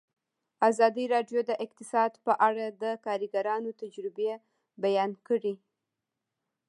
ازادي راډیو د اقتصاد په اړه د کارګرانو تجربې بیان کړي.